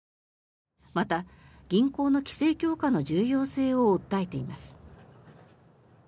また、銀行の規制強化の重要性を訴えています。